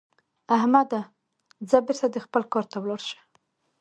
احمده؛ ځه بېرته دې خپل کار ته ولاړ شه.